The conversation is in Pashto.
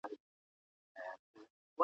ایا ځايي کروندګر کاغذي بادام اخلي؟